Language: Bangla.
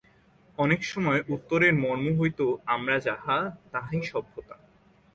অনেক সময় উত্তরের মর্ম হইত আমরা যাহা, তাহাই সভ্যতা।